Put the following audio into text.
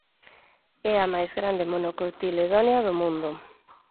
É a máis grande monocotiledónea do mundo.